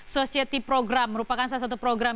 society program merupakan salah satu program